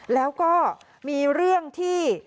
แล้วก็มีเรื่องที่